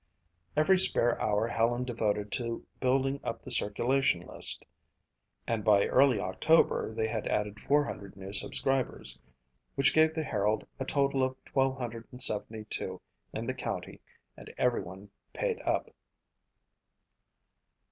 Every spare hour Helen devoted to building up the circulation list and by early October they had added 400 new subscribers, which gave the Herald a total of 1,272 in the county and every one paid up.